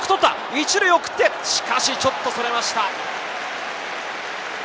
１塁へ送って、しかしちょっとそれました。